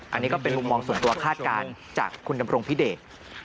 อันนี้ก็เป็นมุมมองส่วนตัวคาดการณ์จากคุณดำรงพิเดช